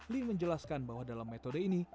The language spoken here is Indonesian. lee menjelaskan bahwa dalam metode ini